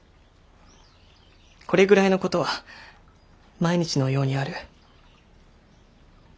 これぐらいのことは毎日のようにある。